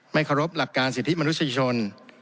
เคารพหลักการสิทธิมนุษยชน